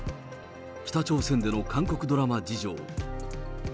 北朝鮮での韓国ドラマ事情。